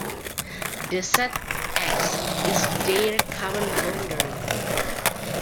The set "X" is their common boundary.